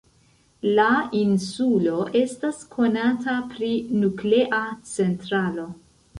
La insulo estas konata pri nuklea centralo.